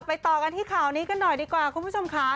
ต่อกันที่ข่าวนี้กันหน่อยดีกว่าคุณผู้ชมค่ะ